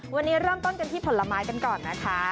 วันนี้เริ่มต้นกันที่ผลไม้กันก่อนนะคะ